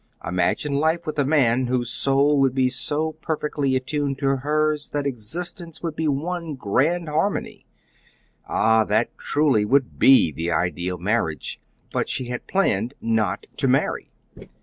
Imagine life with a man whose soul would be so perfectly attuned to hers that existence would be one grand harmony! Ah, that, truly, would be the ideal marriage! But she had planned not to marry.